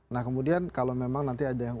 nah kemudian kalau memang nanti ada yang